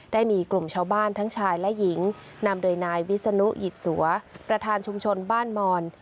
ได้มีกลุ่มชาวบ้านทั้งชายและหญิงนำโดยนายวิศนุหยิดสัวประธานชุมชนบ้านมอน